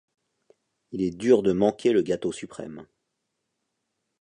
Il est dur de manquer le gâteau suprême.